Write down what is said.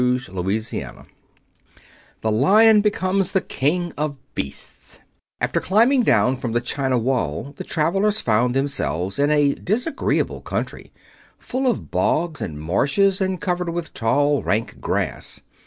Chapter XXI The Lion Becomes the King of Beasts After climbing down from the china wall the travelers found themselves in a disagreeable country, full of bogs and marshes and covered with tall, rank grass.